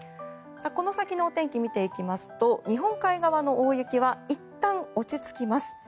この先のお天気見ていきますと日本海側の大雪はいったん落ち着きます。